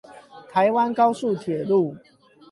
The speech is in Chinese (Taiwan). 台灣高速鐵路